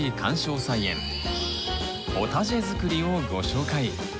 ポタジェ作りをご紹介。